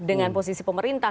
dan dengan posisi pemerintah